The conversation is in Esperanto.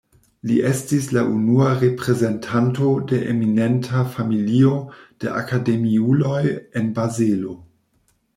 Li estis la unua reprezentanto de eminenta familio de akademiuloj en Bazelo.